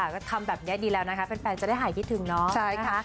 ก็ทำแบบนี้ดีแล้วนะคะแฟนจะได้หายคิดถึงเนาะนะคะ